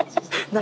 何？